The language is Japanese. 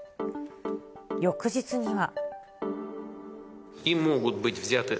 翌日には。